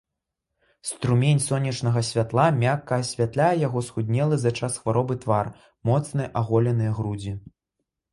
Струмень сонечнага святла мякка асвятляе яго схуднелы за час хваробы твар, моцныя аголеныя грудзі.